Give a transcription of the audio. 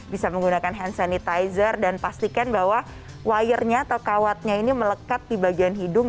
bisa menggunakan hand sanitizer dan pastikan bahwa wire nya atau kawatnya ini melekat di bagian hidung